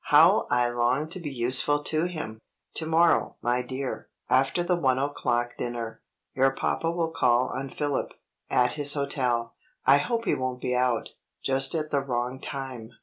How I long to be useful to him! Tomorrow, my dear, after the one o'clock dinner, your papa will call on Philip, at his hotel. I hope he won't be out, just at the wrong time."